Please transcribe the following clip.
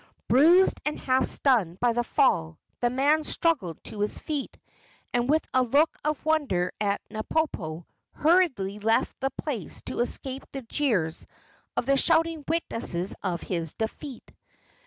Bruised and half stunned by the fall, the man struggled to his feet, and, with a look of wonder at Napopo, hurriedly left the place to escape the jeers of the shouting witnesses of his defeat.